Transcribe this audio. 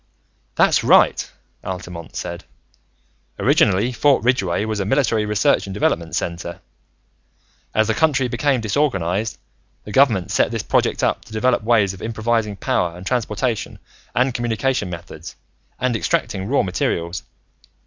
"That's right," Altamont said. "Originally, Fort Ridgeway was a military research and development center. As the country became disorganized, the Government set this project up to develop ways of improvising power and transportation and communication methods and extracting raw materials.